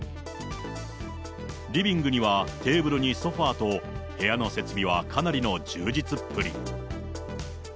リビングにはテーブルにソファーと、部屋の設備はかなりの充実っぷり。